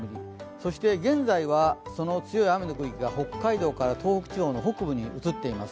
そして、現在は強い雨の区域が北海道から東北地方の北部に移っています。